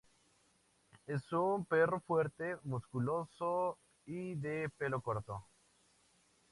Es un perro fuerte, musculoso y de pelo corto.